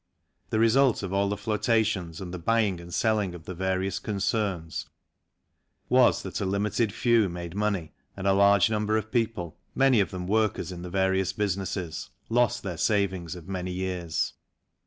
The result of all the flotations and the buying and selling of the various concerns was that a limited few made money and a large number of people, many of them workers in the various businesses, lost their savings of many years.